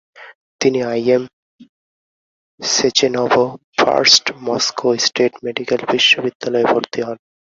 তিনি I M. Sechenov first Moscow state medical বিশ্ববিদ্যালয়ে ভর্তি হন।